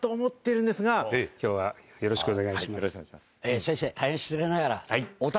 え先生大変失礼ながら。